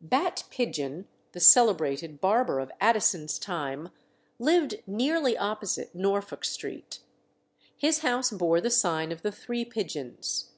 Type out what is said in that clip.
Bat Pidgeon, the celebrated barber of Addison's time, lived nearly opposite Norfolk Street. His house bore the sign of the Three Pigeons.